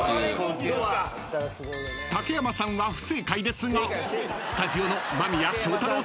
［竹山さんは不正解ですがスタジオの間宮祥太朗さんに聞いてみましょう］